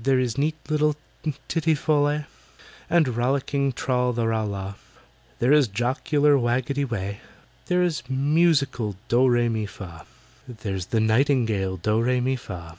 "There is neat little TITTY FOL LEH, There is rollicking TRAL THE RAL LAH, There is jocular WAGGETY WEH, There is musical DOH REH MI FAH— There's the nightingale DOH REH MI FAH!"